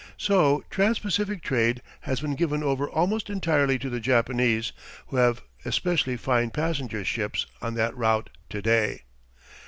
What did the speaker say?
So trans Pacific trade has been given over almost entirely to the Japanese, who have especially fine passenger ships on that route to day.